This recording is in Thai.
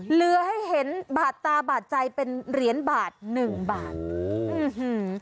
เหลือให้เห็นบาดตาบาดใจเป็นเหรียญบาทหนึ่งบาทโอ้โหอื้อหือ